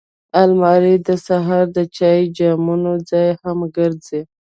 الماري د سهار د چای جامونو ځای هم ګرځي